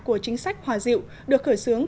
của chính sách hòa diệu được khởi xướng